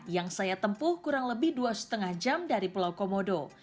yang saya tempuh kurang lebih dua lima jam dari pulau komodo